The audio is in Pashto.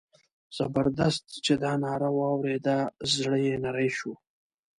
زبردست چې دا ناره واورېده زړه یې نری شو.